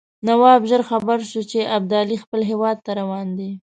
نواب ژر خبر شو چې ابدالي خپل هیواد ته روان دی.